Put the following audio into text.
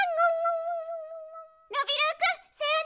ノビローくんさようなら！